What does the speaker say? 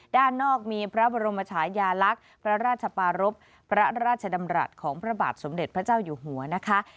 ด้านนอกมีพระบรมชายาลักษณ์พระราชปารพพระราชดำรัฐของพระบาทสมเด็จพระเจ้าอยู่หัวนะคะ